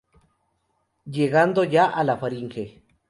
Llegando ya a la faringe.